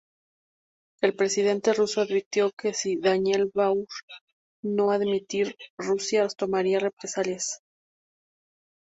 El presidente ruso advirtió que si Daniel Bauer no dimitir, Rusia tomaría represalias.